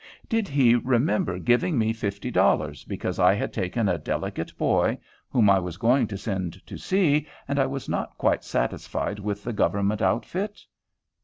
Did he remember giving me fifty dollars, because I had taken a delicate boy, whom I was going to send to sea, and I was not quite satisfied with the government outfit?